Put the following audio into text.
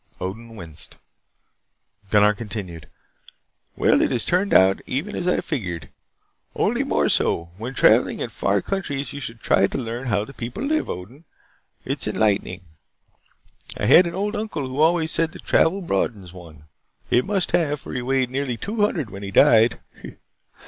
Odin winced. Gunnar continued. "Well, it has turned out even as I figured. Only more so. When traveling in far countries you should try to learn how the people live, Odin. It is enlightening. I had an old uncle who always said that travel broadens one. It must have, for he weighed nearly two hundred when he died."